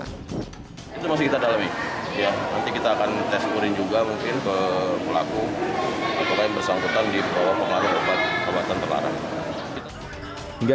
hingga kini pihak kepolisian masih menunggu